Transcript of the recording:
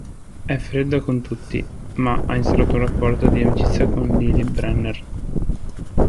È fredda con tutti, ma ha instaurato un rapporto di amicizia con Lily Brenner.